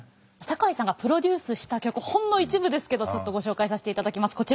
酒井さんがプロデュースした曲ほんの一部ですけどちょっとご紹介させていただきます。